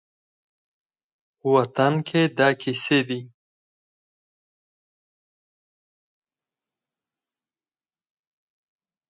په وطن کې دا کیسې دي